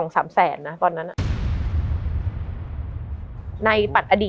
มันทำให้ชีวิตผู้มันไปไม่รอด